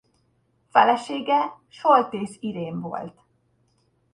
Felesége Soltész Irén volt.